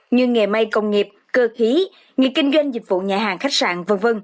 như nghề may công nghiệp cơ khí nghề kinh doanh dịch vụ nhà hàng khách sạn v v